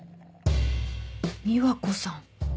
美和子さん